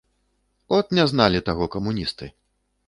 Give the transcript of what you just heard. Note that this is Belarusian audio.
От, не зналі таго камуністы!